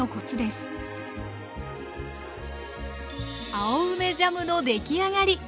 青梅ジャムのできあがり。